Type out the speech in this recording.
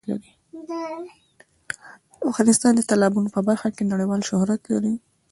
افغانستان د تالابونه په برخه کې نړیوال شهرت لري.